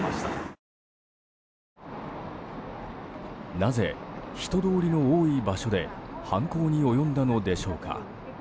なぜ人通りの多い場所で犯行に及んだのでしょうか。